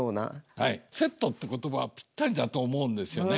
はいセットって言葉がぴったりだと思うんですよね。